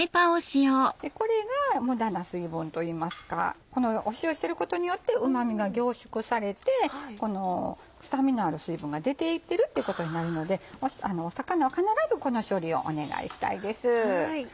これが無駄な水分といいますか塩してることによってうま味が凝縮されて臭みのある水分が出ていってるってことになるので魚は必ずこの処理をお願いしたいです。